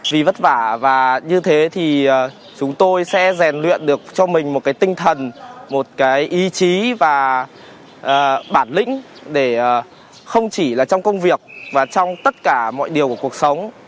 vì vất vả và như thế thì chúng tôi sẽ rèn luyện được cho mình một cái tinh thần một cái ý chí và bản lĩnh để không chỉ là trong công việc và trong tất cả mọi điều của cuộc sống